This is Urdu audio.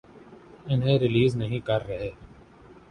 انہیں ریلیز نہیں کر رہے۔